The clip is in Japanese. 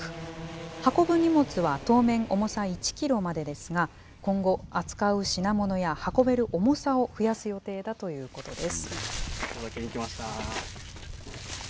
運ぶ荷物は当面重さ１キロまでですが、今後、扱う品物や運べる重さを増やす予定だということです。